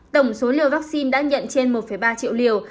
tổng số liều vaccine đã nhận trên một ba triệu liều